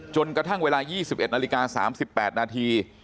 จนกระทั่งเวลา๒๑นาฬิกา๓๘นาที